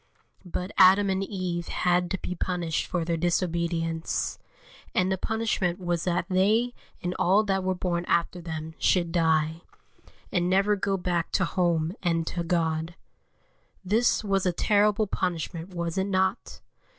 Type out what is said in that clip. But Adam and Eve had to be punished for their disobedience; and the punishment was that they and all that were born after them should die, and never go back to home and to God. This was a terrible punishment, was it not?